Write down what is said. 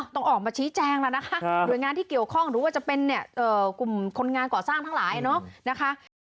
ต้องออกมาชี้แจงแล้วนะคะหน่วยงานที่เกี่ยวข้องหรือว่าจะเป็นกลุ่มคนงานก่อสร้างทั้งหลายเนอะนะคะ